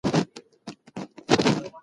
د جامو مینځل په ګرمو اوبو غوره دي.